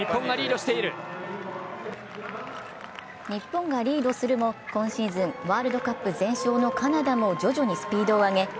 日本がリードするも、今シーズンワールドカップ全勝のカナダも徐々にスピードを上げ